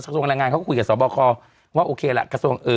ส่วนแรงงานเขาก็คุยกับสอบคอว่าโอเคล่ะกระทรวงเอ่อ